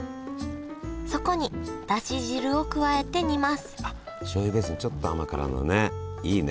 そこにだし汁を加えて煮ますあしょうゆベースにちょっと甘辛のねいいね。